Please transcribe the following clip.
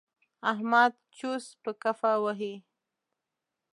احمد چوس په کفه وهي.